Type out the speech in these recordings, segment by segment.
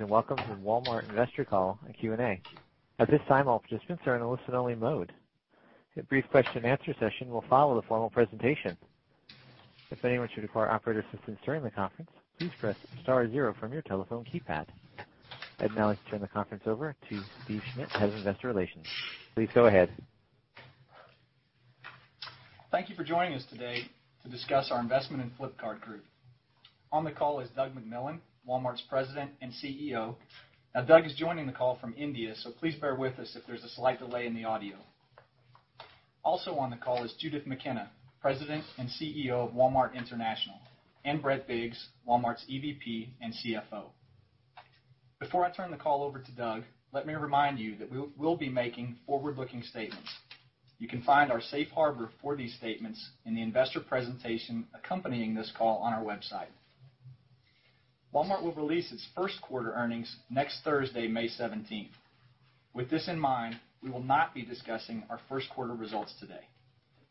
Welcome to the Walmart Investor Call and Q&A. At this time, all participants are in a listen-only mode. A brief question-and-answer session will follow the formal presentation. If anyone should require operator assistance during the conference, please press star zero from your telephone keypad. I'd now like to turn the conference over to Steve Schmitt, Head of Investor Relations. Please go ahead. Thank you for joining us today to discuss our investment in Flipkart Group. On the call is Doug McMillon, Walmart's President and CEO. Doug is joining the call from India, so please bear with us if there's a slight delay in the audio. Also on the call is Judith McKenna, President and CEO of Walmart International, and Brett Biggs, Walmart's EVP and CFO. Before I turn the call over to Doug, let me remind you that we'll be making forward-looking statements. You can find our safe harbor for these statements in the investor presentation accompanying this call on our website. Walmart will release its first quarter earnings next Thursday, May 17th. With this in mind, we will not be discussing our first quarter results today.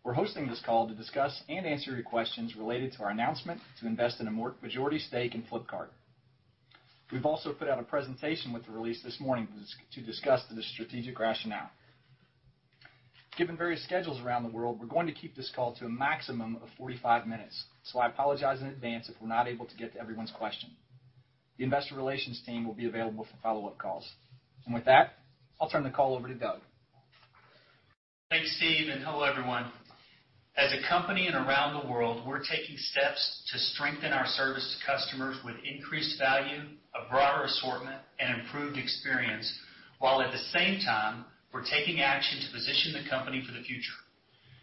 We're hosting this call to discuss and answer your questions related to our announcement to invest in a majority stake in Flipkart. We've also put out a presentation with the release this morning to discuss the strategic rationale. Given various schedules around the world, we're going to keep this call to a maximum of 45 minutes, so I apologize in advance if we're not able to get to everyone's question. The investor relations team will be available for follow-up calls. With that, I'll turn the call over to Doug. Thanks, Steve Schmitt, and hello, everyone. As a company and around the world, we're taking steps to strengthen our service to customers with increased value, a broader assortment, and improved experience, while at the same time, we're taking action to position the company for the future.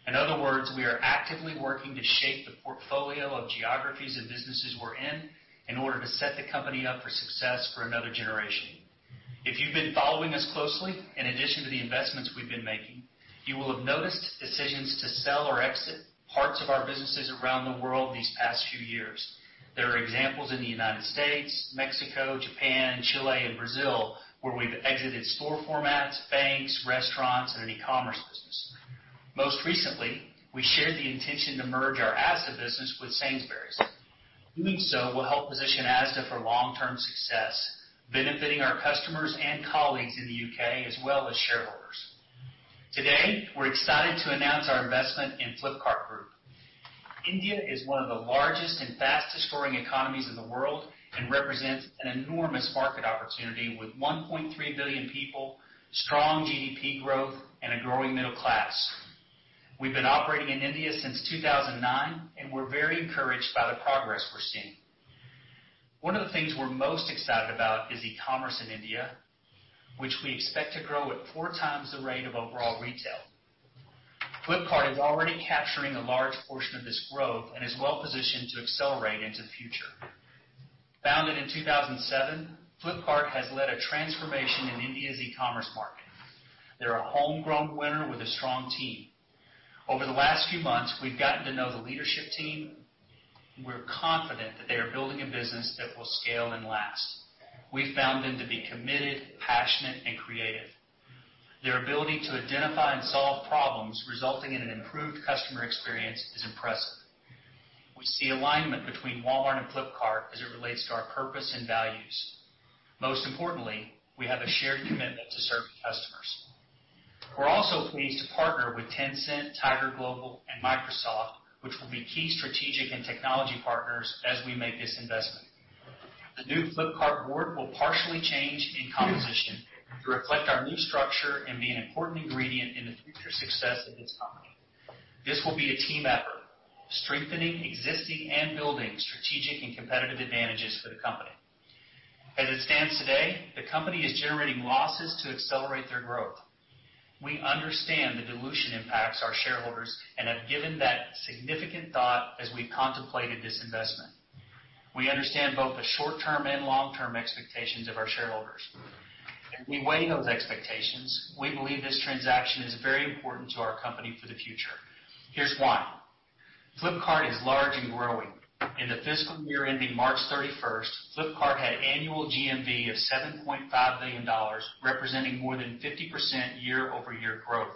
In other words, we are actively working to shape the portfolio of geographies and businesses we're in order to set the company up for success for another generation. If you've been following us closely, in addition to the investments we've been making, you will have noticed decisions to sell or exit parts of our businesses around the world these past few years. There are examples in the U.S., Mexico, Japan, Chile, and Brazil, where we've exited store formats, banks, restaurants, and an e-commerce business. Most recently, we shared the intention to merge our Asda business with Sainsbury's. Doing so will help position Asda for long-term success, benefiting our customers and colleagues in the U.K., as well as shareholders. Today, we're excited to announce our investment in Flipkart Group. India is one of the largest and fastest-growing economies in the world and represents an enormous market opportunity with 1.3 billion people, strong GDP growth, and a growing middle class. We've been operating in India since 2009, and we're very encouraged by the progress we're seeing. One of the things we're most excited about is e-commerce in India, which we expect to grow at 4 times the rate of overall retail. Flipkart is already capturing a large portion of this growth and is well-positioned to accelerate into the future. Founded in 2007, Flipkart has led a transformation in India's e-commerce market. They're a homegrown winner with a strong team. Over the last few months, we've gotten to know the leadership team. We're confident that they are building a business that will scale and last. We found them to be committed, passionate, and creative. Their ability to identify and solve problems resulting in an improved customer experience is impressive. We see alignment between Walmart and Flipkart as it relates to our purpose and values. Most importantly, we have a shared commitment to serving customers. We're also pleased to partner with Tencent, Tiger Global, and Microsoft, which will be key strategic and technology partners as we make this investment. The new Flipkart board will partially change in composition to reflect our new structure and be an important ingredient in the future success of this company. This will be a team effort, strengthening existing and building strategic and competitive advantages for the company. As it stands today, the company is generating losses to accelerate their growth. We understand the dilution impacts our shareholders and have given that significant thought as we contemplated this investment. We understand both the short-term and long-term expectations of our shareholders. As we weigh those expectations, we believe this transaction is very important to our company for the future. Here's why. Flipkart is large and growing. In the fiscal year ending March 31st, Flipkart had annual GMV of $7.5 billion, representing more than 50% year-over-year growth.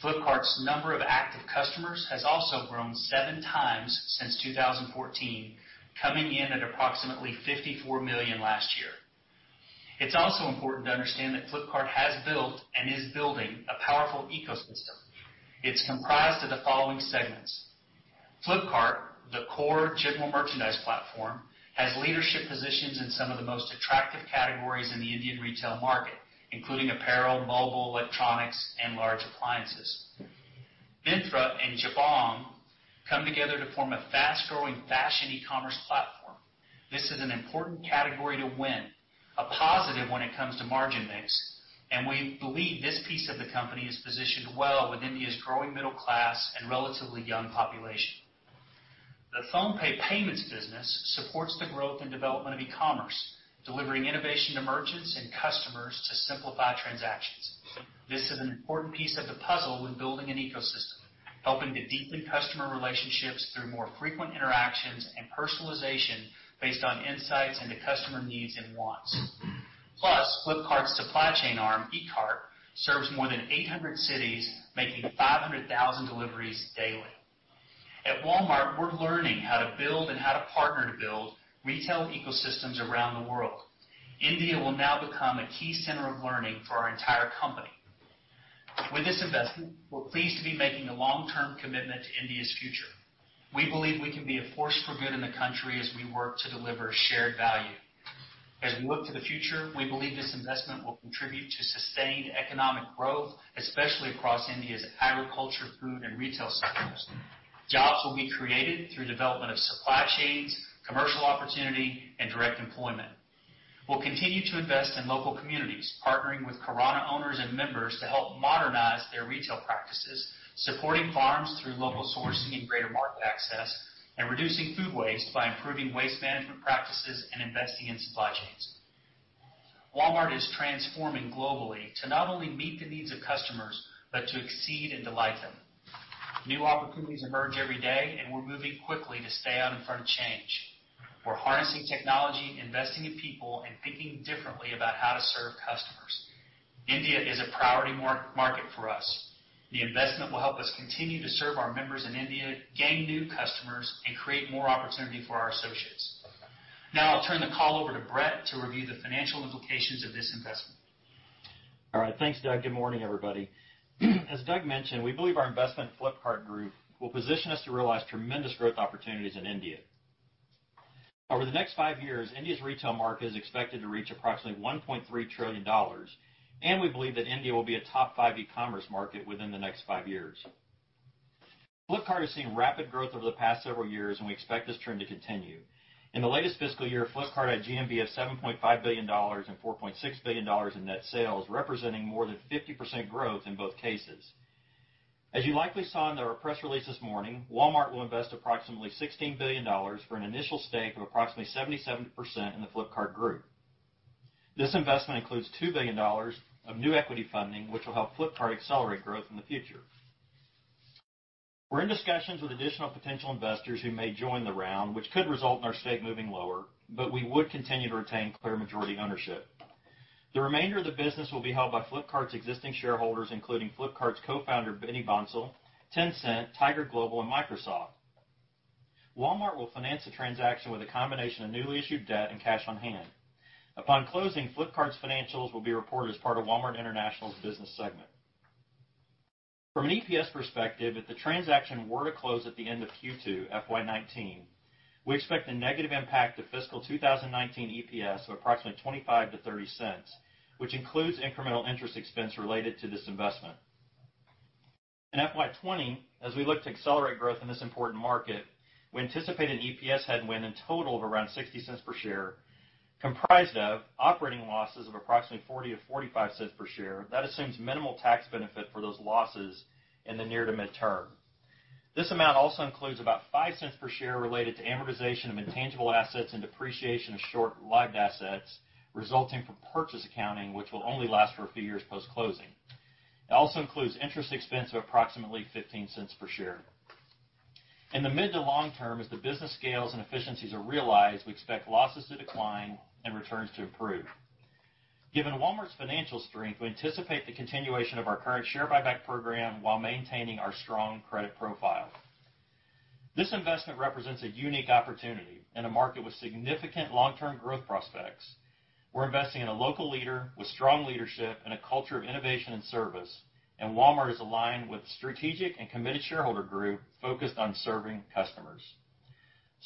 Flipkart's number of active customers has also grown 7 times since 2014, coming in at approximately 54 million last year. It's also important to understand that Flipkart has built and is building a powerful ecosystem. It's comprised of the following segments. Flipkart, the core general merchandise platform, has leadership positions in some of the most attractive categories in the Indian retail market, including apparel, mobile, electronics, and large appliances. Myntra and Jabong.com come together to form a fast-growing fashion e-commerce platform. This is an important category to win, a positive when it comes to margin mix, and we believe this piece of the company is positioned well within India's growing middle class and relatively young population. The PhonePe payments business supports the growth and development of e-commerce, delivering innovation to merchants and customers to simplify transactions. This is an important piece of the puzzle when building an ecosystem, helping to deepen customer relationships through more frequent interactions and personalization based on insights into customer needs and wants. Plus, Flipkart's supply chain arm, Ekart, serves more than 800 cities, making 500,000 deliveries daily. At Walmart, we're learning how to build and how to partner to build retail ecosystems around the world. India will now become a key center of learning for our entire company. With this investment, we're pleased to be making a long-term commitment to India's future. We believe we can be a force for good in the country as we work to deliver shared value. As we look to the future, we believe this investment will contribute to sustained economic growth, especially across India's agriculture, food, and retail sectors. Jobs will be created through development of supply chains, commercial opportunity, and direct employment. We'll continue to invest in local communities, partnering with Kirana owners and members to help modernize their retail practices, supporting farms through local sourcing and greater market access, and reducing food waste by improving waste management practices and investing in supply chains. Walmart is transforming globally to not only meet the needs of customers, but to exceed and delight them. New opportunities emerge every day, and we're moving quickly to stay out in front of change. We're harnessing technology, investing in people, and thinking differently about how to serve customers. India is a priority market for us. The investment will help us continue to serve our members in India, gain new customers, and create more opportunity for our associates. Now I'll turn the call over to Brett to review the financial implications of this investment. All right. Thanks, Doug. Good morning, everybody. As Doug mentioned, we believe our investment in Flipkart Group will position us to realize tremendous growth opportunities in India. Over the next five years, India's retail market is expected to reach approximately $1.3 trillion, and we believe that India will be a top five e-commerce market within the next five years. Flipkart has seen rapid growth over the past several years, and we expect this trend to continue. In the latest fiscal year, Flipkart had GMV of $7.5 billion and $4.6 billion in net sales, representing more than 50% growth in both cases. As you likely saw in our press release this morning, Walmart will invest approximately $16 billion for an initial stake of approximately 77% in the Flipkart Group. This investment includes $2 billion of new equity funding, which will help Flipkart accelerate growth in the future. We're in discussions with additional potential investors who may join the round, which could result in our stake moving lower, but we would continue to retain clear majority ownership. The remainder of the business will be held by Flipkart's existing shareholders, including Flipkart's co-founder, Binny Bansal, Tencent, Tiger Global, and Microsoft. Walmart will finance the transaction with a combination of newly issued debt and cash on hand. Upon closing, Flipkart's financials will be reported as part of Walmart International's business segment. From an EPS perspective, if the transaction were to close at the end of Q2 FY 2019, we expect a negative impact to fiscal 2019 EPS of approximately $0.25-$0.30, which includes incremental interest expense related to this investment. In FY 2020, as we look to accelerate growth in this important market, we anticipate an EPS headwind in total of around $0.60 per share, comprised of operating losses of approximately $0.40-$0.45 per share. That assumes minimal tax benefit for those losses in the near to midterm. This amount also includes about $0.05 per share related to amortization of intangible assets and depreciation of short-lived assets resulting from purchase accounting, which will only last for a few years post-closing. It also includes interest expense of approximately $0.15 per share. In the mid to long term, as the business scales and efficiencies are realized, we expect losses to decline and returns to improve. Given Walmart's financial strength, we anticipate the continuation of our current share buyback program while maintaining our strong credit profile. This investment represents a unique opportunity in a market with significant long-term growth prospects. We're investing in a local leader with strong leadership and a culture of innovation and service. Walmart is aligned with a strategic and committed shareholder group focused on serving customers.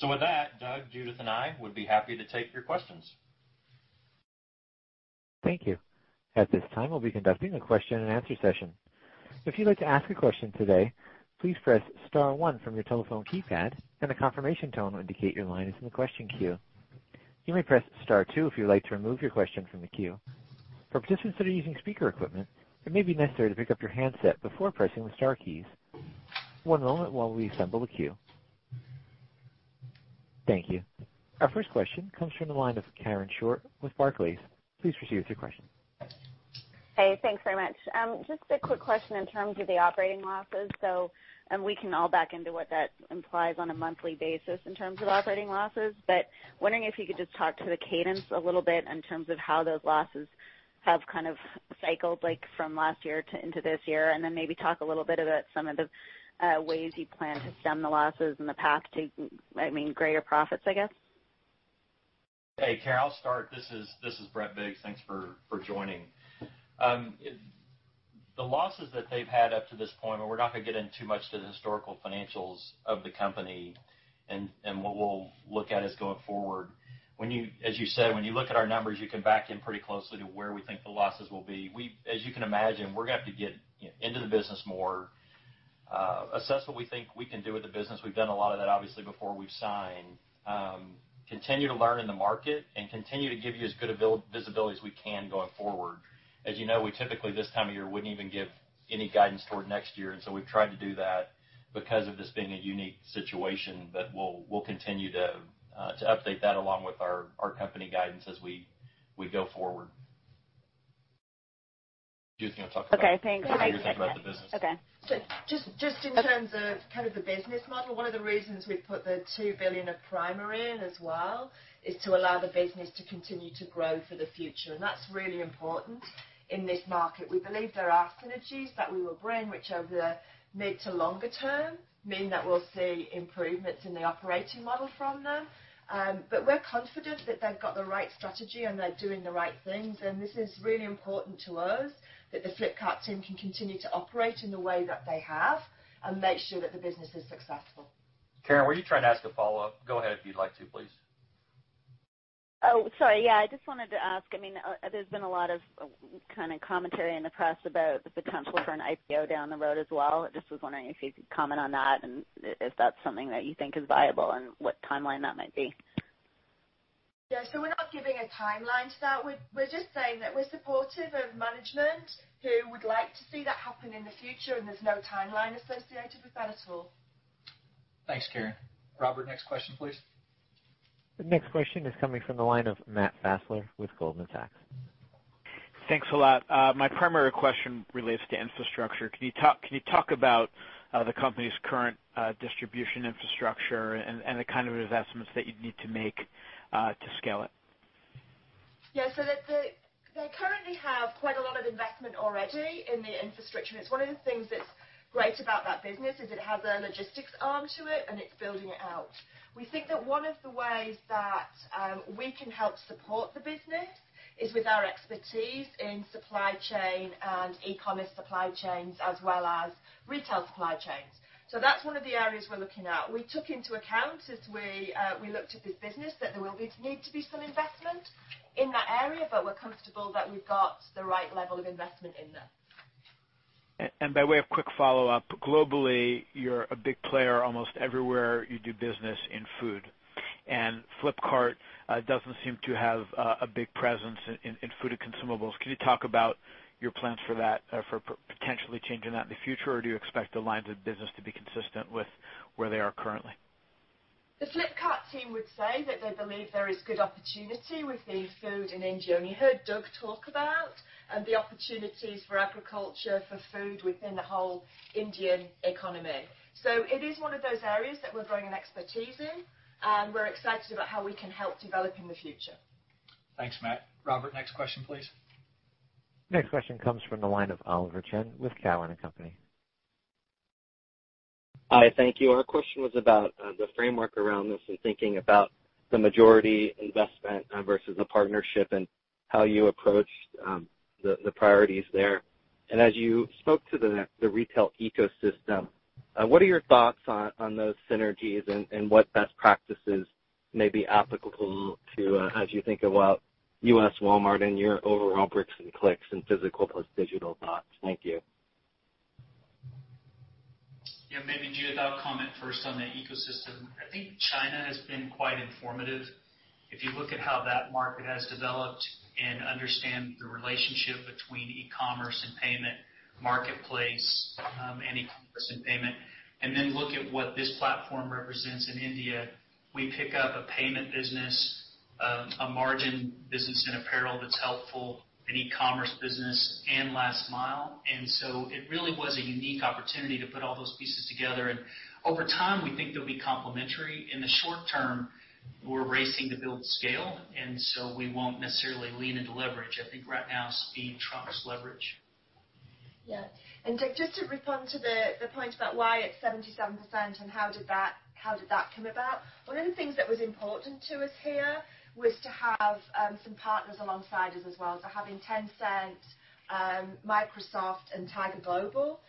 With that, Doug, Judith, and I would be happy to take your questions. Thank you. At this time, we'll be conducting a question and answer session. If you'd like to ask a question today, please press *1 from your telephone keypad, and a confirmation tone will indicate your line is in the question queue. You may press *2 if you'd like to remove your question from the queue. For participants that are using speaker equipment, it may be necessary to pick up your handset before pressing the star keys. One moment while we assemble the queue. Thank you. Our first question comes from the line of Karen Short with Barclays. Please proceed with your question. Hey, thanks very much. Just a quick question in terms of the operating losses. We can all back into what that implies on a monthly basis in terms of operating losses, wondering if you could just talk to the cadence a little bit in terms of how those losses have cycled from last year into this year. Then maybe talk a little bit about some of the ways you plan to stem the losses in the path to greater profits, I guess? Hey, Karen, I'll start. This is Brett Biggs. Thanks for joining. The losses that they've had up to this point, we're not going to get into much of the historical financials of the company. What we'll look at is going forward. As you said, when you look at our numbers, you can back in pretty closely to where we think the losses will be. As you can imagine, we're going to have to get into the business more, assess what we think we can do with the business. We've done a lot of that, obviously, before we've signed. Continue to learn in the market and continue to give you as good of visibility as we can going forward. As you know, we typically this time of year wouldn't even give any guidance toward next year. We've tried to do that because of this being a unique situation. We'll continue to update that along with our company guidance as we go forward. Okay, thanks. I think you're going to talk about the business. Okay. Just in terms of the business model, one of the reasons we put the $2 billion of primary in as well is to allow the business to continue to grow for the future. That's really important in this market. We believe there are synergies that we will bring, which over the mid to longer term, mean that we'll see improvements in the operating model from them. We're confident that they've got the right strategy and they're doing the right things, and this is really important to us that the Flipkart team can continue to operate in the way that they have and make sure that the business is successful. Karen, were you trying to ask a follow-up? Go ahead if you'd like to, please. Sorry. I just wanted to ask, there's been a lot of commentary in the press about the potential for an IPO down the road as well. I just was wondering if you could comment on that and if that's something that you think is viable and what timeline that might be. We're not giving a timeline to that. We're just saying that we're supportive of management who would like to see that happen in the future. There's no timeline associated with that at all. Thanks, Karen. Robert, next question please. The next question is coming from the line of Matt Fassler with Goldman Sachs. Thanks a lot. My primary question relates to infrastructure. Can you talk about the company's current distribution infrastructure and the kind of investments that you'd need to make to scale it? Yeah. They currently have quite a lot of investment already in the infrastructure, and it's one of the things that's great about that business is it has a logistics arm to it, and it's building it out. We think that one of the ways that we can help support the business is with our expertise in supply chain and e-commerce supply chains as well as retail supply chains. That's one of the areas we're looking at. We took into account as we looked at this business that there will need to be some investment in that area, but we're comfortable that we've got the right level of investment in there. By way of quick follow-up, globally, you're a big player almost everywhere you do business in food. Flipkart doesn't seem to have a big presence in food and consumables. Can you talk about your plans for potentially changing that in the future, or do you expect the lines of business to be consistent with where they are currently? The Flipkart team would say that they believe there is good opportunity within food in India, and you heard Doug talk about the opportunities for agriculture, for food within the whole Indian economy. It is one of those areas that we're growing an expertise in. We're excited about how we can help develop in the future. Thanks, Matt. Robert, next question please. Next question comes from the line of Oliver Chen with Cowen and Company. Hi, thank you. Our question was about the framework around this and thinking about the majority investment versus the partnership and how you approached the priorities there. As you spoke to the retail ecosystem, what are your thoughts on those synergies and what best practices may be applicable to as you think about U.S. Walmart and your overall bricks and clicks and physical plus digital thoughts? Thank you. Yeah. Maybe, Judy, I'll comment first on the ecosystem. I think China has been quite informative. If you look at how that market has developed and understand the relationship between e-commerce and payment marketplace, e-commerce and payment, then look at what this platform represents in India, we pick up a payment business, a margin business in apparel that's helpful, an e-commerce business and last mile. It really was a unique opportunity to put all those pieces together, and over time, we think they'll be complementary. In the short term, we're racing to build scale, we won't necessarily lean into leverage. I think right now speed trumps leverage. Yeah. Doug, just to respond to the point about why it's 77% and how did that come about. One of the things that was important to us here was to have some partners alongside us as well. Having Tencent, Microsoft, and Tiger Global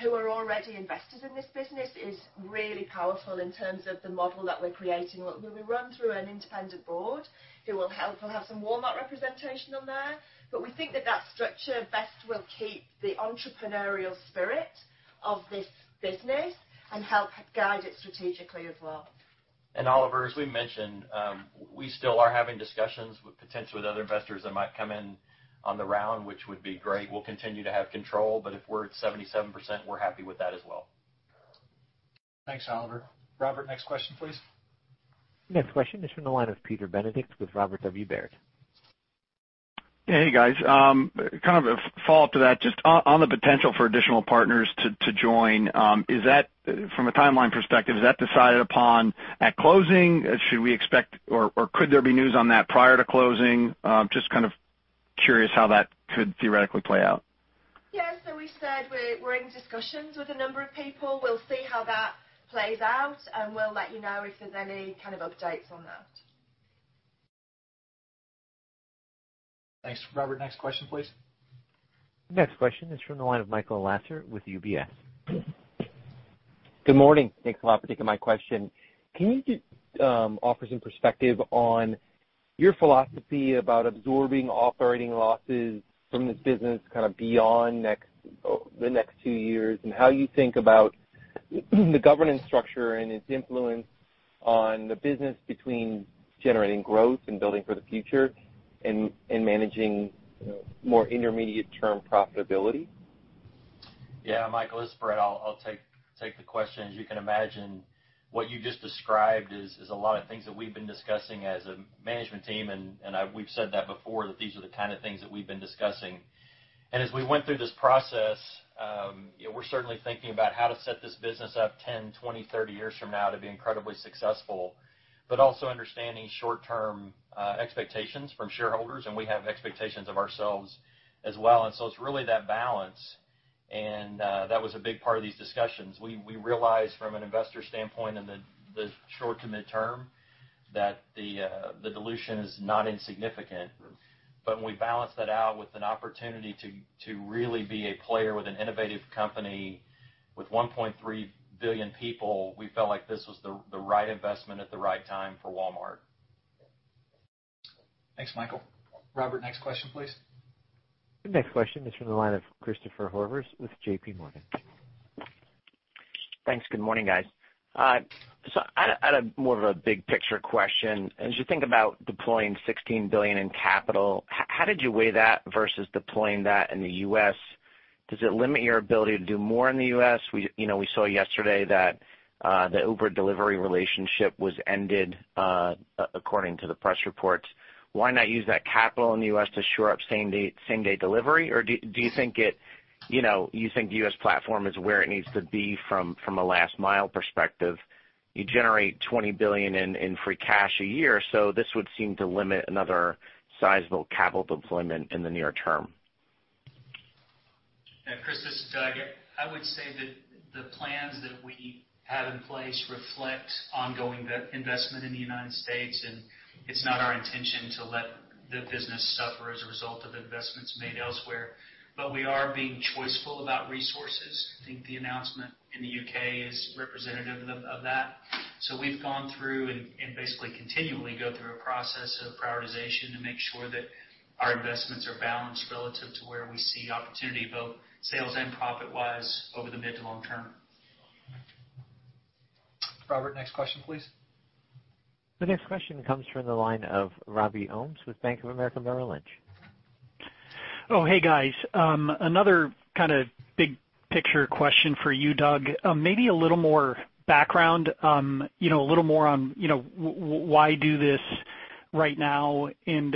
who are already invested in this business is really powerful in terms of the model that we're creating. Look, we will run through an independent board who will have some Walmart representation on there. We think that that structure best will keep the entrepreneurial spirit of this business and help guide it strategically as well. Oliver, as we mentioned, we still are having discussions potentially with other investors that might come in on the round, which would be great. We'll continue to have control, but if we're at 77%, we're happy with that as well. Thanks, Oliver. Robert, next question please. Next question is from the line of Peter Benedict with Robert W. Baird. Hey, guys. Kind of a follow-up to that. Just on the potential for additional partners to join. From a timeline perspective, is that decided upon at closing? Should we expect, or could there be news on that prior to closing? Just kind of curious how that could theoretically play out. Yeah. We said we're in discussions with a number of people. We'll see how that plays out, and we'll let you know if there's any kind of updates on that. Thanks. Robert, next question please. Next question is from the line of Michael Lasser with UBS. Good morning. Thanks a lot for taking my question. Can you just offer some perspective on your philosophy about absorbing operating losses from this business kind of beyond the next two years and how you think about the governance structure and its influence on the business between generating growth and building for the future and managing more intermediate term profitability? Yeah, Michael, this is Brett. I'll take the question. As you can imagine, what you just described is a lot of things that we've been discussing as a management team. We've said that before, that these are the kind of things that we've been discussing. As we went through this process, we're certainly thinking about how to set this business up 10, 20, 30 years from now to be incredibly successful, but also understanding short-term expectations from shareholders. We have expectations of ourselves as well. It's really that balance, and that was a big part of these discussions. We realized from an investor standpoint in the short to mid-term that the dilution is not insignificant. When we balance that out with an opportunity to really be a player with an innovative company with 1.3 billion people, we felt like this was the right investment at the right time for Walmart. Thanks, Michael. Robert, next question, please. The next question is from the line of Christopher Horvers with JPMorgan. Thanks. Good morning, guys. I had more of a big picture question. As you think about deploying $16 billion in capital, how did you weigh that versus deploying that in the U.S.? Does it limit your ability to do more in the U.S.? We saw yesterday that the Uber delivery relationship was ended, according to the press reports. Why not use that capital in the U.S. to shore up same-day delivery? Or do you think the U.S. platform is where it needs to be from a last mile perspective? You generate $20 billion in free cash a year, this would seem to limit another sizable capital deployment in the near term. Chris, this is Doug. I would say that the plans that we have in place reflect ongoing investment in the United States, it's not our intention to let the business suffer as a result of investments made elsewhere. We are being choiceful about resources. I think the announcement in the U.K. is representative of that. We've gone through, and basically continually go through, a process of prioritization to make sure that our investments are balanced relative to where we see opportunity, both sales and profit-wise, over the mid to long term. Robert, next question, please. The next question comes from the line of Robbie Ohmes with Bank of America Merrill Lynch. Oh, hey, guys. Another kind of big picture question for you, Doug. Maybe a little more background, a little more on why do this right now. I think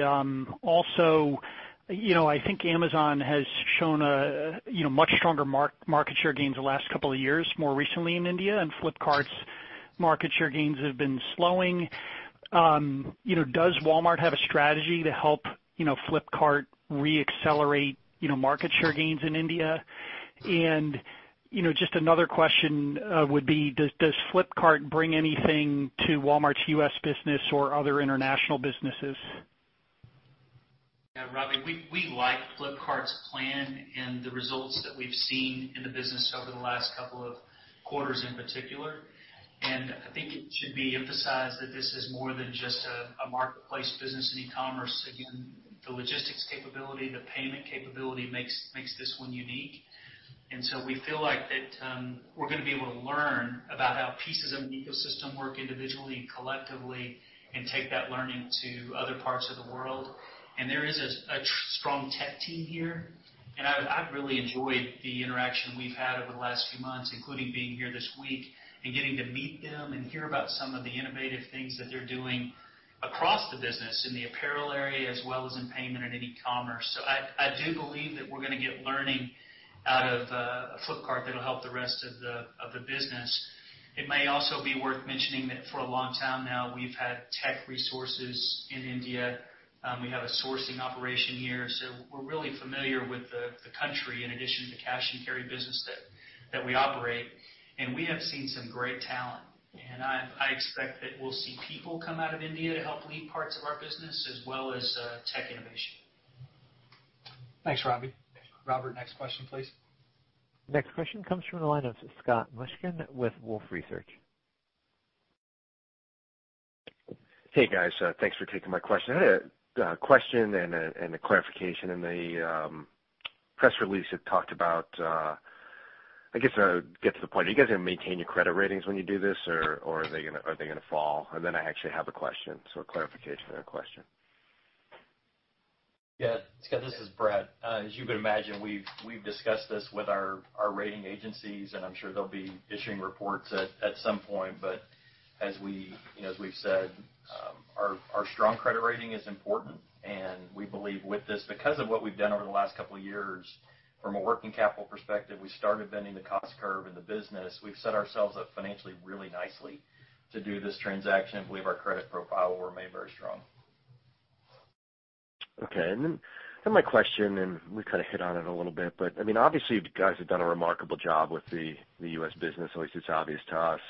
Amazon has shown much stronger market share gains the last couple of years, more recently in India, and Flipkart's market share gains have been slowing. Does Walmart have a strategy to help Flipkart re-accelerate market share gains in India? Does Flipkart bring anything to Walmart's U.S. business or other international businesses? Yeah, Robbie, we like Flipkart's plan and the results that we've seen in the business over the last couple of quarters in particular. I think it should be emphasized that this is more than just a marketplace business in e-commerce. Again, the logistics capability, the payment capability makes this one unique. We feel like that we're going to be able to learn about how pieces of an ecosystem work individually and collectively and take that learning to other parts of the world. There is a strong tech team here, and I've really enjoyed the interaction we've had over the last few months, including being here this week and getting to meet them and hear about some of the innovative things that they are doing across the business in the apparel area, as well as in payment and in e-commerce. I do believe that we're going to get learning out of Flipkart that'll help the rest of the business. It may also be worth mentioning that for a long time now, we've had tech resources in India. We have a sourcing operation here, so we're really familiar with the country in addition to the cash and carry business that we operate. We have seen some great talent. I expect that we'll see people come out of India to help lead parts of our business, as well as tech innovation. Thanks, Robbie. Robert, next question, please. Next question comes from the line of Scott Mushkin with Wolfe Research. Hey, guys. Thanks for taking my question. I had a question and a clarification. In the press release, it talked about, I guess I'll get to the point. Are you guys going to maintain your credit ratings when you do this, or are they going to fall? I actually have a question, so a clarification and a question. Yeah. Scott, this is Brett. As you can imagine, we've discussed this with our rating agencies. I'm sure they'll be issuing reports at some point. As we've said, our strong credit rating is important, and we believe with this, because of what we've done over the last couple of years from a working capital perspective, we started bending the cost curve in the business. We've set ourselves up financially really nicely to do this transaction and believe our credit profile will remain very strong. Okay. My question, we kind of hit on it a little bit. Obviously, you guys have done a remarkable job with the U.S. business. At least it's obvious to us.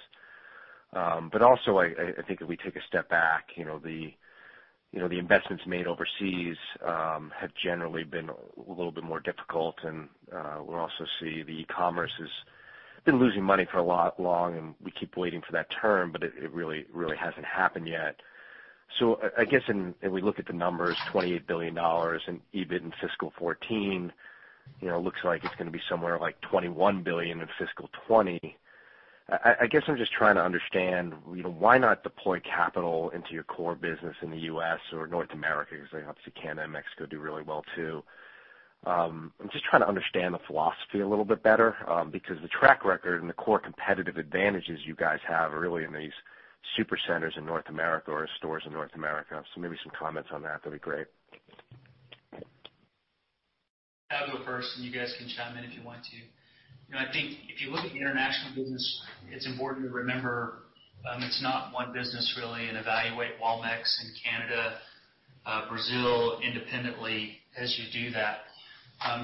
Also, I think if we take a step back, the investments made overseas have generally been a little bit more difficult. We also see the e-commerce has been losing money for a lot longer. We keep waiting for that turn, but it really hasn't happened yet. I guess, we look at the numbers, $28 billion in EBIT in FY 2014. Looks like it's going to be somewhere like $21 billion in FY 2020. I guess I'm just trying to understand why not deploy capital into your core business in the U.S. or North America, because obviously Canada and Mexico do really well, too. I'm just trying to understand the philosophy a little bit better because the track record and the core competitive advantages you guys have are really in these Supercenters in North America or stores in North America. Maybe some comments on that. That'd be great. I'll go first. You guys can chime in if you want to. I think if you look at the international business, it's important to remember it's not one business really. Evaluate Walmex and Canada, Brazil independently as you do that. As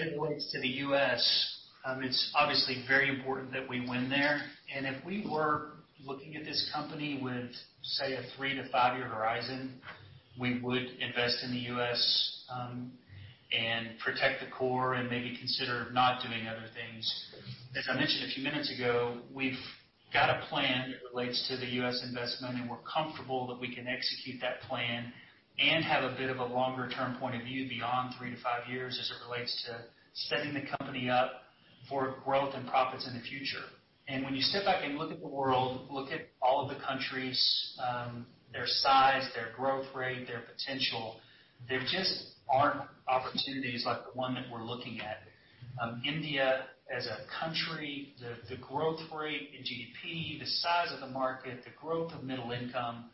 it relates to the U.S., it's obviously very important that we win there. If we were looking at this company with, say, a 3- to 5-year horizon, we would invest in the U.S. and protect the core and maybe consider not doing other things. As I mentioned a few minutes ago, we've got a plan that relates to the U.S. investment. We're comfortable that we can execute that plan and have a bit of a longer-term point of view beyond 3 to 5 years as it relates to setting the company up for growth and profits in the future. When you step back and look at the world, look at all of the countries, their size, their growth rate, their potential, there just aren't opportunities like the one that we're looking at. India as a country, the growth rate in GDP, the size of the market, the growth of middle income,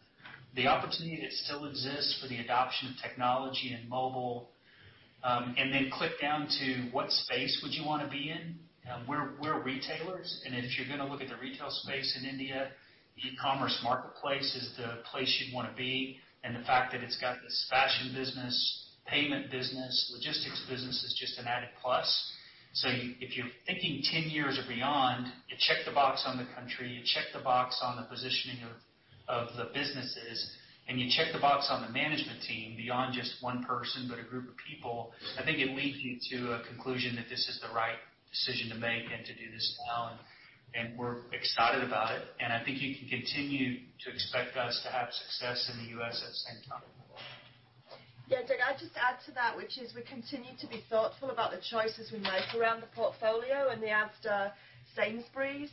the opportunity that still exists for the adoption of technology and mobile. Then click down to what space would you want to be in. We're retailers, and if you're going to look at the retail space in India, the e-commerce marketplace is the place you'd want to be. The fact that it's got this fashion business, payment business, logistics business is just an added plus. If you're thinking 10 years or beyond, you check the box on the country, you check the box on the positioning of the businesses, and you check the box on the management team, beyond just one person, but a group of people. I think it leads you to a conclusion that this is the right decision to make and to do this now, and we're excited about it. I think you can continue to expect us to have success in the U.S. at the same time. Yeah, Doug, I'd just add to that, which is we continue to be thoughtful about the choices we make around the portfolio and the Asda Sainsbury's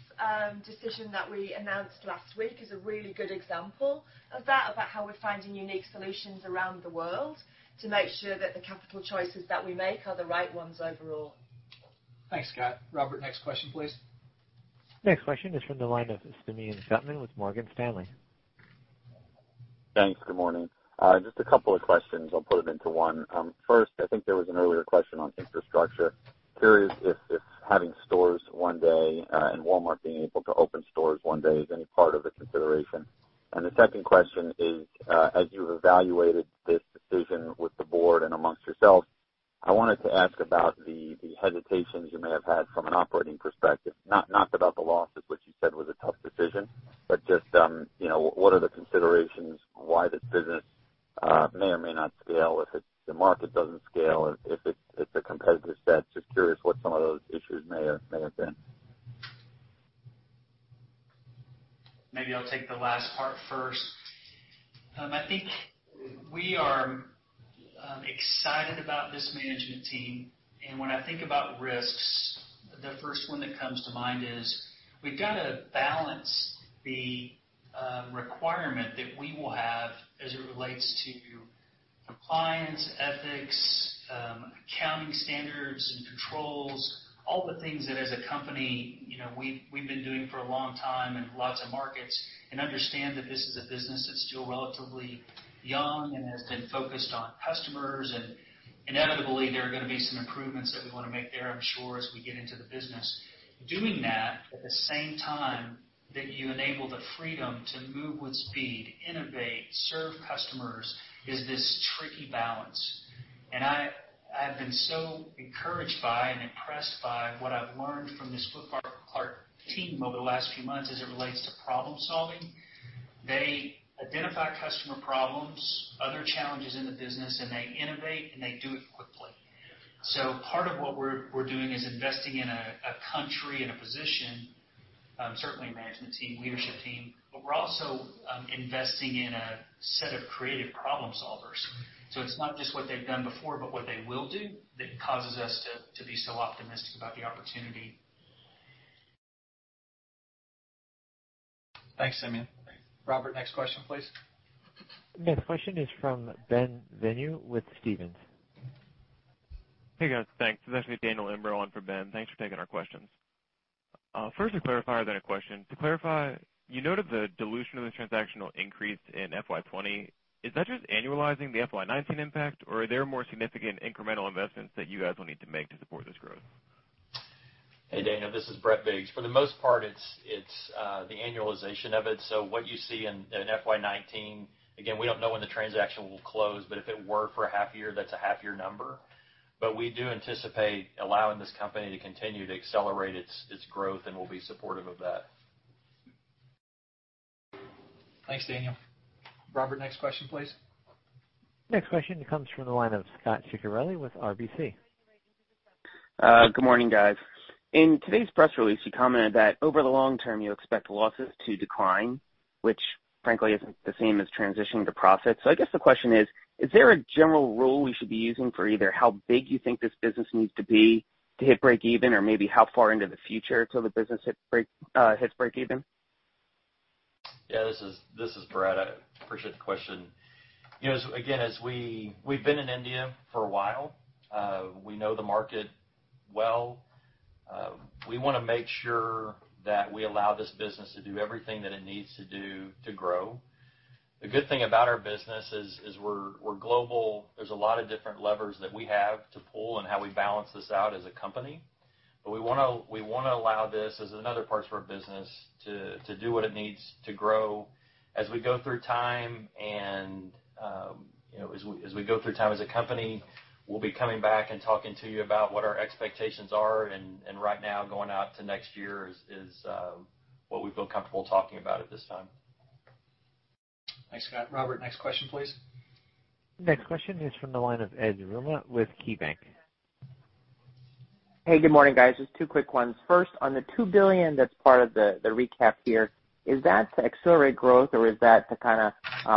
decision that we announced last week is a really good example of that, about how we're finding unique solutions around the world to make sure that the capital choices that we make are the right ones overall. Thanks, Scott. Robert, next question, please. Next question is from the line of Simeon Gutman with Morgan Stanley. Thanks. Good morning. Just a couple of questions. I'll put them into one. First, I think there was an earlier question on infrastructure. Curious if having stores one day and Walmart being able to open stores one day is any part of the consideration. The second question is, as you've evaluated this decision with the board and amongst yourselves, I wanted to ask about the hesitations you may have had from an operating perspective. Not about the losses, which you said was a tough decision, but just what are the considerations why this business may or may not scale if the market doesn't scale, if the competitive set. Just curious what some of those issues may have been. Maybe I'll take the last part first. I think we are excited about this management team. When I think about risks, the first one that comes to mind is we've got to balance the requirement that we will have as it relates to compliance, ethics, accounting standards and controls, all the things that as a company we've been doing for a long time in lots of markets and understand that this is a business that's still relatively young and has been focused on customers. Inevitably, there are going to be some improvements that we want to make there, I'm sure, as we get into the business. Doing that at the same time that you enable the freedom to move with speed, innovate, serve customers, is this tricky balance. I've been so encouraged by and impressed by what I've learned from this Flipkart team over the last few months as it relates to problem-solving. They identify customer problems, other challenges in the business, and they innovate, and they do it quickly. Part of what we're doing is investing in a country and a position, certainly management team, leadership team, but we're also investing in a set of creative problem solvers. It's not just what they've done before, but what they will do that causes us to be so optimistic about the opportunity. Thanks, Simeon. Robert, next question, please. Next question is from Ben Bienvenu with Stephens. Hey, guys. Thanks. It's actually Daniel Imbro on for Ben. Thanks for taking our questions. First a clarifier, then a question. To clarify, you noted the dilution of the transaction will increase in FY 2020. Is that just annualizing the FY 2019 impact, or are there more significant incremental investments that you guys will need to make to support this growth? Hey, Daniel, this is Brett Biggs. For the most part, it's the annualization of it. What you see in FY 2019, again, we don't know when the transaction will close, but if it were for a half year, that's a half-year number. We do anticipate allowing this company to continue to accelerate its growth, and we'll be supportive of that. Thanks, Daniel. Robert, next question, please. Next question comes from the line of Scot Ciccarelli with RBC. Good morning, guys. In today's press release, you commented that over the long term, you expect losses to decline, which frankly isn't the same as transitioning to profits. I guess the question is: Is there a general rule we should be using for either how big you think this business needs to be to hit breakeven or maybe how far into the future till the business hits breakeven? This is Brad. I appreciate the question. As we've been in India for a while, we know the market well. We want to make sure that we allow this business to do everything that it needs to do to grow. The good thing about our business is we're global. There's a lot of different levers that we have to pull in how we balance this out as a company. We want to allow this as another part to our business to do what it needs to grow as we go through time. As we go through time as a company, we'll be coming back and talking to you about what our expectations are, and right now going out to next year is what we feel comfortable talking about at this time. Thanks, Brad. Robert, next question, please. Next question is from the line of Edward Yruma with KeyBanc. Hey, good morning, guys. Just two quick ones. First, on the $2 billion that's part of the recap here, is that to accelerate growth or is that to kind of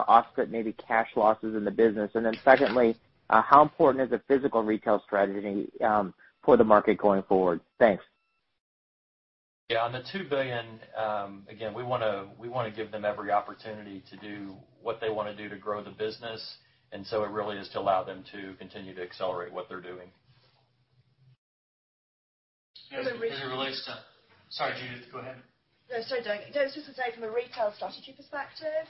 offset maybe cash losses in the business? Secondly, how important is the physical retail strategy for the market going forward? Thanks. Yeah, on the $2 billion, again, we want to give them every opportunity to do what they want to do to grow the business. It really is to allow them to continue to accelerate what they're doing. Sorry, Judith, go ahead. No, sorry, Doug. This is to say from a retail strategy perspective,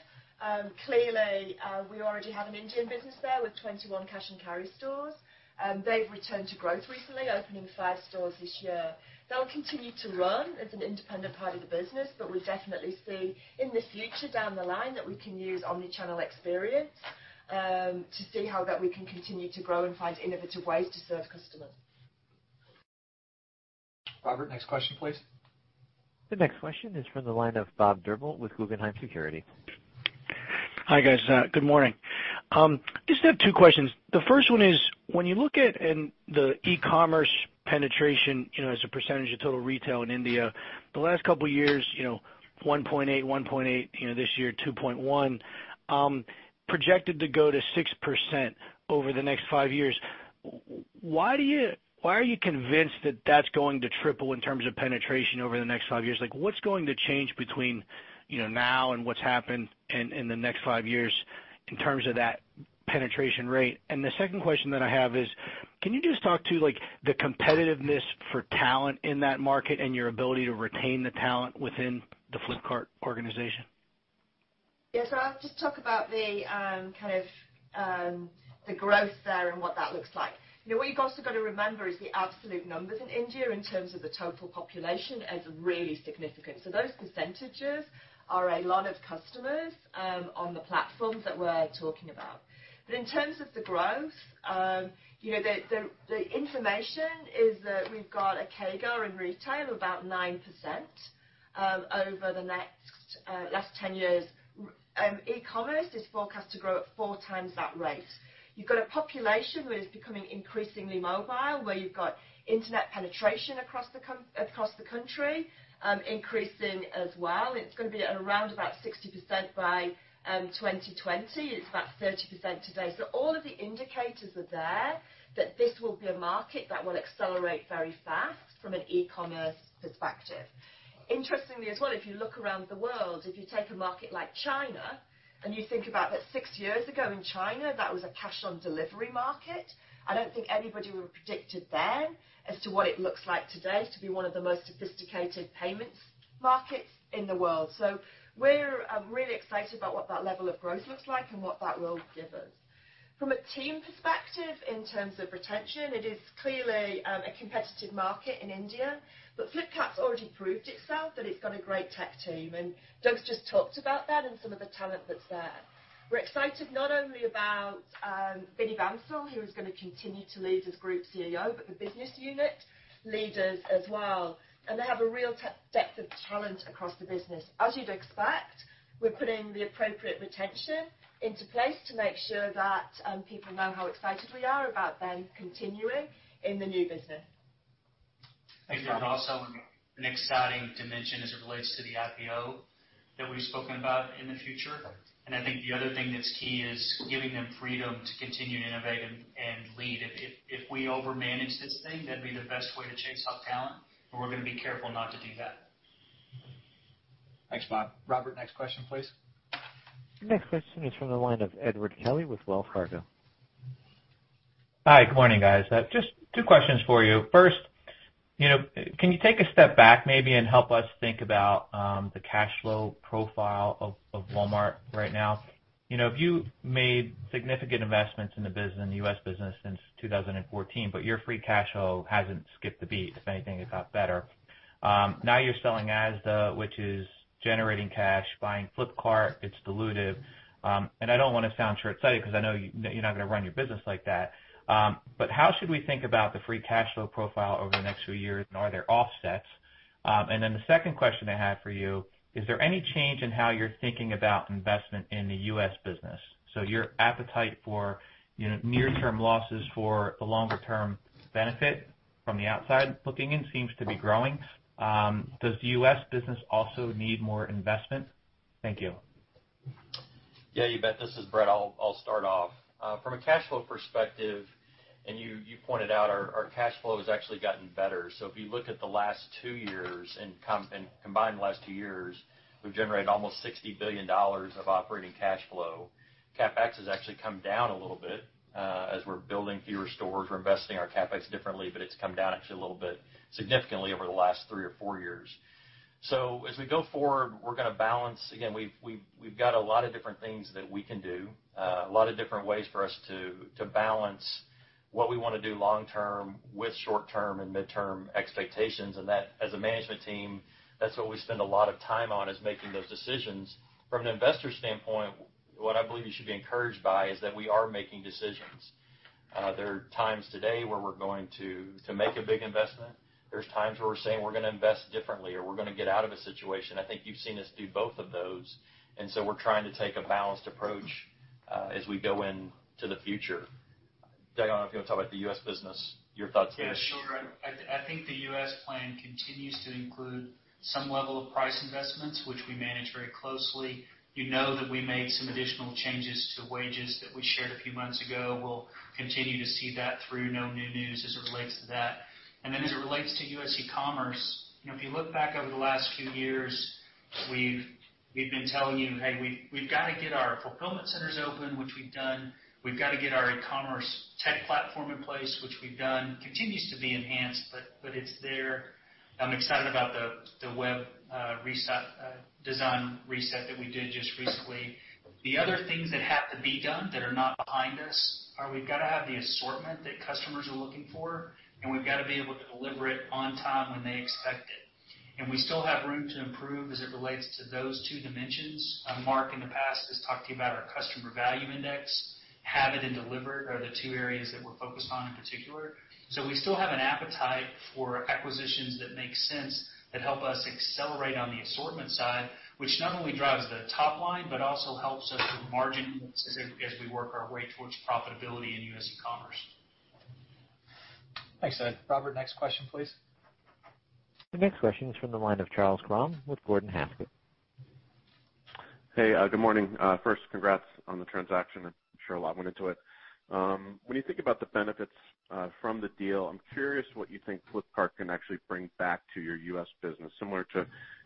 clearly, we already have an Indian business there with 21 cash and carry stores. They've returned to growth recently, opening five stores this year. We definitely see in the future down the line that we can use omni-channel experience, to see how that we can continue to grow and find innovative ways to serve customers. Robert, next question, please. The next question is from the line of Robert Drbul with Guggenheim Securities. Hi, guys. Good morning. I just have two questions. The first one is, when you look at the e-commerce penetration as a percentage of total retail in India, the last couple of years, 1.8%, 1.8%, this year 2.1%, projected to go to 6% over the next five years. Why are you convinced that that's going to triple in terms of penetration over the next five years? What's going to change between now and what's happened in the next five years in terms of that penetration rate? The second question that I have is, can you just talk to the competitiveness for talent in that market and your ability to retain the talent within the Flipkart organization? I'll just talk about the growth there and what that looks like. What you've also got to remember is the absolute numbers in India in terms of the total population is really significant. Those percentages are a lot of customers on the platforms that we're talking about. In terms of the growth, the information is that we've got a CAGR in retail of about 9% over the last 10 years. E-commerce is forecast to grow at four times that rate. You've got a population where it's becoming increasingly mobile, where you've got internet penetration across the country increasing as well. It's going to be at around about 60% by 2020. It's about 30% today. All of the indicators are there that this will be a market that will accelerate very fast from an e-commerce perspective. Interestingly as well, if you look around the world, if you take a market like China and you think about that six years ago in China, that was a cash on delivery market. I don't think anybody would have predicted then as to what it looks like today to be one of the most sophisticated payments markets in the world. We're really excited about what that level of growth looks like and what that will give us. From a team perspective, in terms of retention, it is clearly a competitive market in India, Flipkart's already proved itself that it's got a great tech team, and Doug's just talked about that and some of the talent that's there. We're excited not only about Binny Bansal, who is going to continue to lead as Group CEO, but the business unit leaders as well. They have a real depth of talent across the business. As you'd expect, we're putting the appropriate retention into place to make sure that people know how excited we are about them continuing in the new business. Thanks, Judith. Also, an exciting dimension as it relates to the IPO that we've spoken about in the future. I think the other thing that's key is giving them freedom to continue to innovate and lead. If we over manage this thing, that'd be the best way to chase off talent, and we're going to be careful not to do that. Thanks, Doug. Robert, next question, please. Next question is from the line of Edward Kelly with Wells Fargo. Hi, good morning, guys. Just two questions for you. First, can you take a step back maybe and help us think about the cash flow profile of Walmart right now? You've made significant investments in the U.S. business since 2014, but your free cash flow hasn't skipped a beat. If anything, it got better. Now you're selling Asda, which is generating cash, buying Flipkart, it's dilutive. I don't want to sound short-sighted because I know you're not going to run your business like that. How should we think about the free cash flow profile over the next few years, and are there offsets? The second question I have for you, is there any change in how you're thinking about investment in the U.S. business? Your appetite for near-term losses for a longer-term benefit from the outside looking in seems to be growing. Does the U.S. business also need more investment? Thank you. Yeah, you bet. This is Brett. I'll start off. From a cash flow perspective, you pointed out our cash flow has actually gotten better. If you look at the last two years and combine the last two years, we've generated almost $60 billion of operating cash flow. CapEx has actually come down a little bit. As we're building fewer stores, we're investing our CapEx differently, but it's come down actually a little bit significantly over the last three or four years. As we go forward, we're going to balance. Again, we've got a lot of different things that we can do, a lot of different ways for us to balance what we want to do long-term with short-term and mid-term expectations. That, as a management team, that's what we spend a lot of time on, is making those decisions. From an investor standpoint, what I believe you should be encouraged by is that we are making decisions. There's times today where we're going to make a big investment. There's times where we're saying we're going to invest differently, or we're going to get out of a situation. I think you've seen us do both of those, we're trying to take a balanced approach as we go into the future. Doug, I don't know if you want to talk about the U.S. business, your thoughts there. Yeah, sure. I think the U.S. plan continues to include some level of price investments, which we manage very closely. You know that we made some additional changes to wages that we shared a few months ago. We'll continue to see that through. No new news as it relates to that. As it relates to U.S. e-commerce, if you look back over the last few years, we've been telling you, "Hey, we've got to get our fulfillment centers open," which we've done. We've got to get our e-commerce tech platform in place, which we've done. Continues to be enhanced, but it's there. I'm excited about the web design reset that we did just recently. The other things that have to be done that are not behind us are we've got to have the assortment that customers are looking for, and we've got to be able to deliver it on time when they expect it. We still have room to improve as it relates to those two dimensions. Marc, in the past, has talked to you about our customer value index. Have it and deliver are the two areas that we're focused on in particular. We still have an appetite for acquisitions that make sense, that help us accelerate on the assortment side, which not only drives the top line but also helps us with margin as we work our way towards profitability in U.S. e-commerce. Thanks, Ed. Robert, next question, please. The next question is from the line of Charles Grom with Gordon Haskett. Hey, good morning. First, congrats on the transaction. I'm sure a lot went into it. When you think about the benefits from the deal, I'm curious what you think Flipkart can actually bring back to your U.S. business, similar to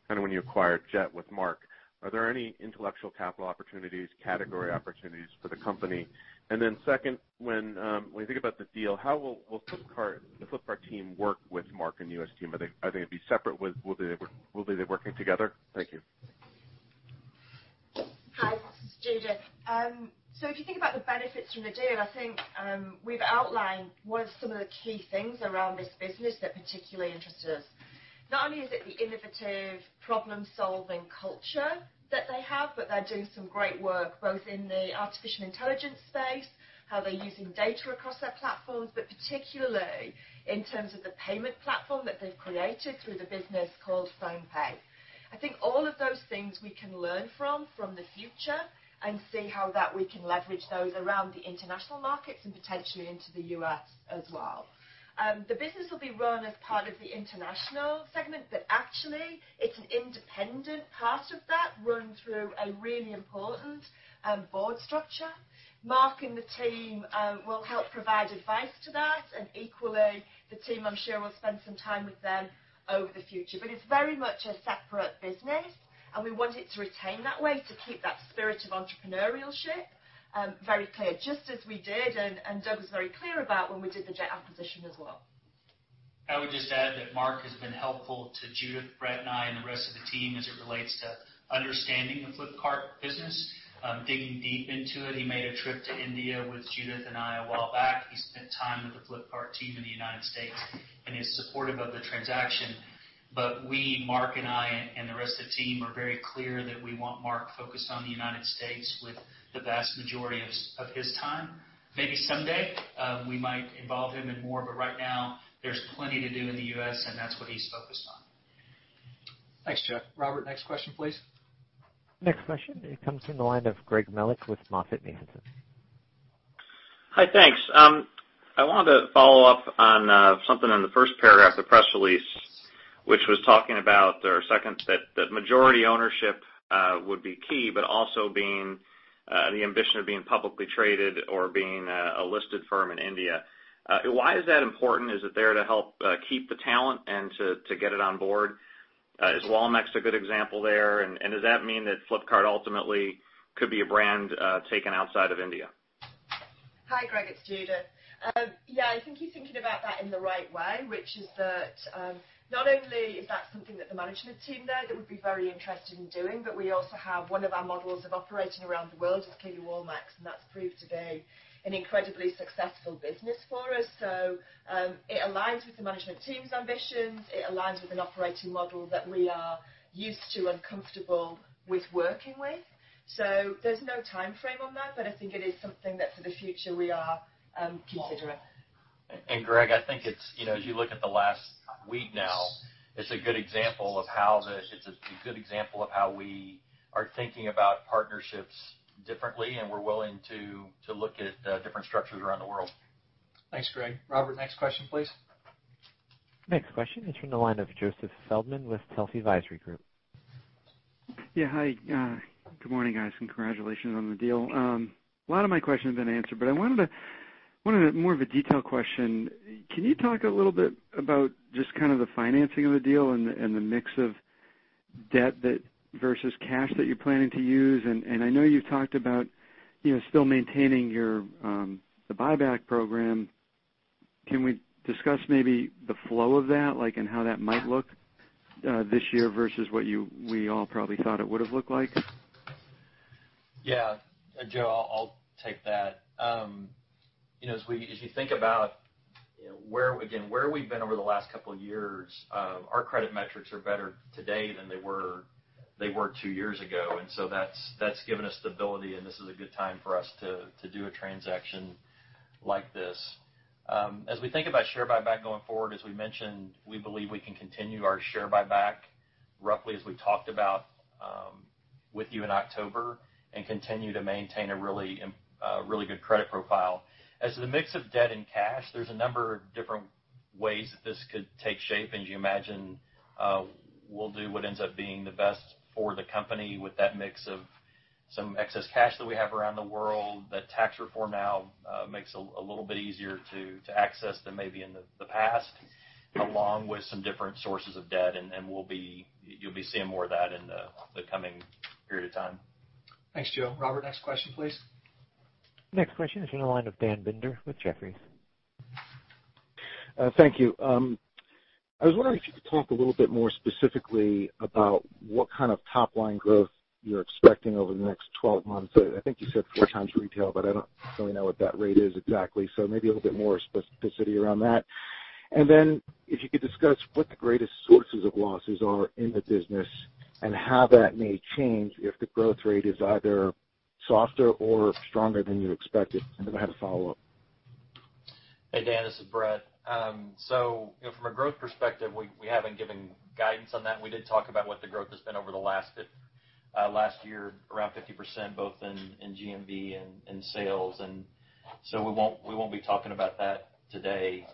when you acquired Jet with Marc. Are there any intellectual capital opportunities, category opportunities for the company? Then second, when you think about the deal, how will the Flipkart team work with Marc and the U.S. team? Are they going to be separate? Will they be working together? Thank you. Hi, this is Judith. If you think about the benefits from the deal, I think we've outlined what are some of the key things around this business that particularly interested us. Not only is it the innovative problem-solving culture that they have, but they're doing some great work both in the artificial intelligence space, how they're using data across their platforms, but particularly in terms of the payment platform that they've created through the business called PhonePe. I think all of those things we can learn from, for the future, and see how that we can leverage those around the international markets and potentially into the U.S. as well. The business will be run as part of the international segment, but actually, it's an independent part of that run through a really important board structure. Marc and the team will help provide advice to that, and equally, the team, I'm sure, will spend some time with them over the future. It's very much a separate business, and we want it to retain that way to keep that spirit of entrepreneurialship very clear. Just as we did, and Doug was very clear about when we did the Jet acquisition as well. I would just add that Marc has been helpful to Judith, Brett, and I, and the rest of the team as it relates to understanding the Flipkart business, digging deep into it. He made a trip to India with Judith and I a while back. He spent time with the Flipkart team in the U.S. and is supportive of the transaction. We, Marc and I, and the rest of the team are very clear that we want Marc focused on the U.S. with the vast majority of his time. Maybe someday we might involve him in more, but right now there's plenty to do in the U.S., and that's what he's focused on. Thanks, Charles. Robert, next question, please. Next question. It comes from the line of Greg Melich with MoffettNathanson. Hi, thanks. I wanted to follow up on something on the first paragraph of the press release, which was talking about the second, that majority ownership would be key. Also the ambition of being publicly traded or being a listed firm in India. Why is that important? Is it there to help keep the talent and to get it on board? Is Walmex a good example there, and does that mean that Flipkart ultimately could be a brand taken outside of India? Hi, Greg. It's Judith. Yeah, I think you're thinking about that in the right way, which is that not only is that something that the management team there that would be very interested in doing. We also have one of our models of operating around the world is clearly Walmex, and that's proved to be an incredibly successful business for us. It aligns with the management team's ambitions. It aligns with an operating model that we are used to and comfortable with working with. There's no timeframe on that, but I think it is something that for the future we are considering. Greg, I think if you look at the last week now, it's a good example of how we are thinking about partnerships differently, and we're willing to look at different structures around the world. Thanks, Greg. Robert, next question, please. Next question is from the line of Joseph Feldman with Telsey Advisory Group. Yeah, hi. Good morning, guys, congratulations on the deal. A lot of my questions have been answered, I wanted more of a detailed question. Can you talk a little bit about just kind of the financing of the deal and the mix of debt versus cash that you're planning to use? I know you've talked about still maintaining the buyback program. Can we discuss maybe the flow of that and how that might look this year versus what we all probably thought it would have looked like? Yeah. Joe, I'll take that. As you think about where we've been over the last couple of years, our credit metrics are better today than they were two years ago. That's given us stability, and this is a good time for us to do a transaction like this. As we think about share buyback going forward, as we mentioned, we believe we can continue our share buyback roughly as we talked about with you in October and continue to maintain a really good credit profile. As to the mix of debt and cash, there's a number of different ways that this could take shape. We'll do what ends up being the best for the company with that mix of some excess cash that we have around the world, that tax reform now makes a little bit easier to access than maybe in the past, along with some different sources of debt. You'll be seeing more of that in the coming period of time. Thanks, Joe. Robert, next question, please. Next question is in the line of Dan Binder with Jefferies. Thank you. I was wondering if you could talk a little bit more specifically about what kind of top-line growth you're expecting over the next 12 months. I think you said four times retail, but I don't really know what that rate is exactly. Maybe a little bit more specificity around that. If you could discuss what the greatest sources of losses are in the business and how that may change if the growth rate is either softer or stronger than you expected. I have a follow-up. Hey, Dan, this is Brett. From a growth perspective, we haven't given guidance on that. We did talk about what the growth has been over the last year, around 50%, both in GMV and sales. We won't be talking about that today.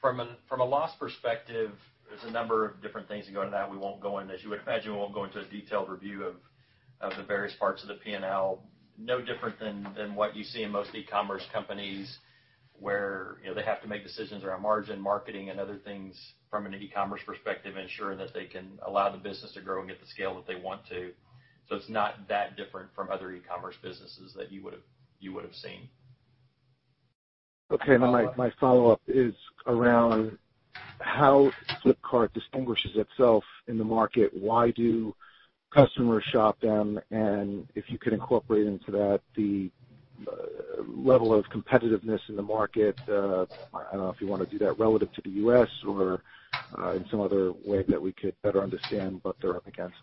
From a loss perspective, there's a number of different things that go into that. As you would imagine, we won't go into a detailed review of the various parts of the P&L. No different than what you see in most e-commerce companies, where they have to make decisions around margin marketing and other things from an e-commerce perspective, ensuring that they can allow the business to grow and get the scale that they want to. It's not that different from other e-commerce businesses that you would've seen. Okay. My follow-up is around how Flipkart distinguishes itself in the market. Why do customers shop them, and if you could incorporate into that the level of competitiveness in the market. I don't know if you want to do that relative to the U.S. or in some other way that we could better understand what they're up against.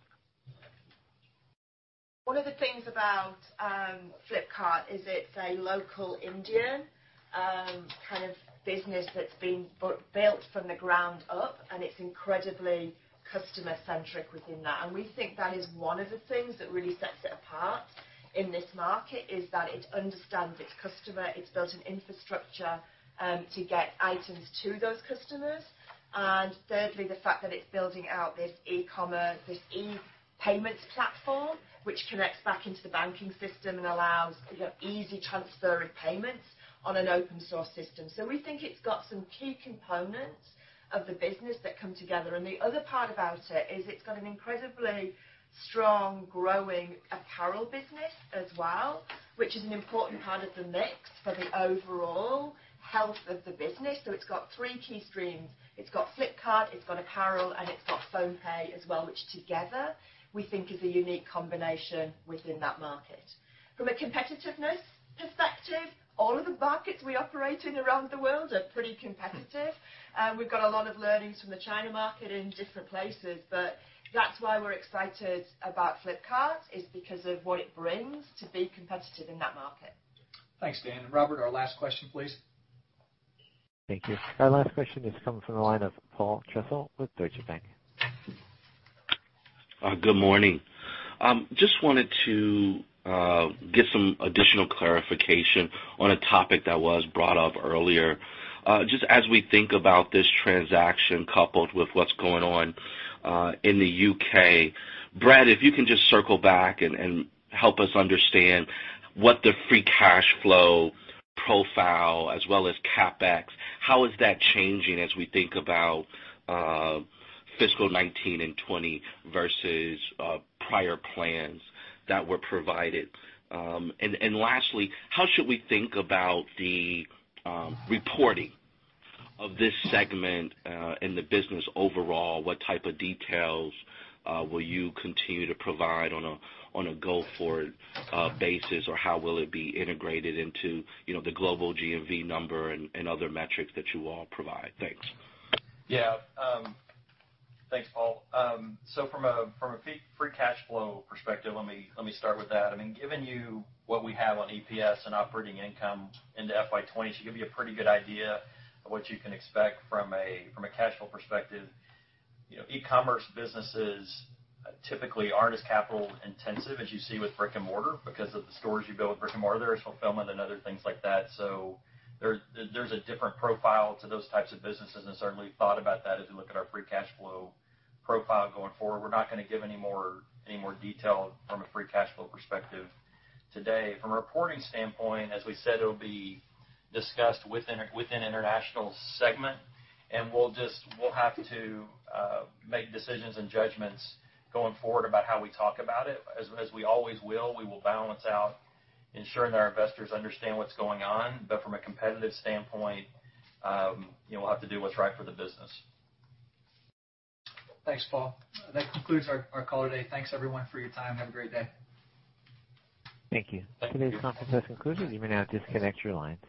One of the things about Flipkart is it's a local Indian kind of business that's been built from the ground up, and it's incredibly customer-centric within that. We think that is one of the things that really sets it apart in this market, is that it understands its customer. It's built an infrastructure to get items to those customers. Thirdly, the fact that it's building out this e-payment platform, which connects back into the banking system and allows easy transfer of payments on an open-source system. We think it's got some key components of the business that come together. The other part about it is it's got an incredibly strong, growing apparel business as well, which is an important part of the mix for the overall health of the business. It's got three key streams. It's got Flipkart, it's got apparel, and it's got PhonePe as well, which together we think is a unique combination within that market. From a competitiveness perspective, all of the markets we operate in around the world are pretty competitive. We've got a lot of learnings from the China market in different places, that's why we're excited about Flipkart, is because of what it brings to be competitive in that market. Thanks, Dan. Robert, our last question, please. Thank you. Our last question is coming from the line of Paul Trussell with Deutsche Bank. Good morning. Just wanted to get some additional clarification on a topic that was brought up earlier. As we think about this transaction coupled with what's going on in the U.K., Brett, if you can just circle back and help us understand what the free cash flow profile as well as CapEx, how is that changing as we think about FY 2019 and FY 2020 versus prior plans that were provided? Lastly, how should we think about the reporting of this segment in the business overall? What type of details will you continue to provide on a go-forward basis, or how will it be integrated into the global GMV number and other metrics that you all provide? Thanks. Thanks, Paul. From a free cash flow perspective, let me start with that. Given you what we have on EPS and operating income into FY 2020 should give you a pretty good idea of what you can expect from a cash flow perspective. E-commerce businesses typically aren't as capital intensive as you see with brick and mortar because of the stores you build with brick and mortar. There's fulfillment and other things like that. There's a different profile to those types of businesses, and certainly thought about that as we look at our free cash flow profile going forward. We're not going to give any more detail from a free cash flow perspective today. From a reporting standpoint, as we said, it'll be discussed within International Segment, we'll have to make decisions and judgments going forward about how we talk about it, as we always will. We will balance out ensuring that our investors understand what's going on. From a competitive standpoint, we'll have to do what's right for the business. Thanks, Paul. That concludes our call today. Thanks, everyone, for your time. Have a great day. Thank you. Thank you. Today's conference has concluded. You may now disconnect your lines.